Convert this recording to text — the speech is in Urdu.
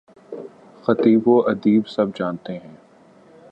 خطیب و ادیب سب جانتے ہیں۔